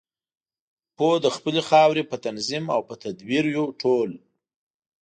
پوه د خپلې خاورې په تنظیم او په تدبیر یو ټول.